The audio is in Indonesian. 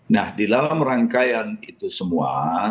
nah di dalam rangkaian itu semua